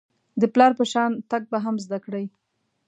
د پلار په شان تګ به هم زده کړئ .